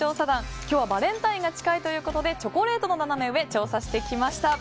今日バレンタインデーが近いということでチョコレートのナナメ上調査してきました。